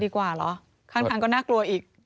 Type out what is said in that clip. ดีกว่าหรอข้างทางก็น่ากลัวอีก